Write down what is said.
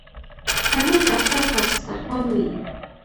پنېر د اختر پر دسترخوان وي.